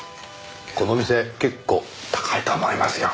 この店結構高いと思いますよ。